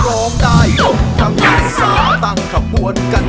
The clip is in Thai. โอ้ว